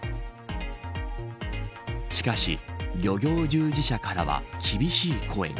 しかし漁業従事者からは厳しい声が。